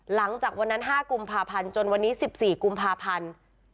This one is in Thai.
หลังจากวันนั้น๕กุมภาพันธ์จนวันนี้๑๔กุมภาพันธ์